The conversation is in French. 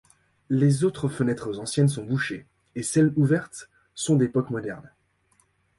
Les autres fenêtres anciennes sont bouchées et celles ouvertes sont d'époque moderne.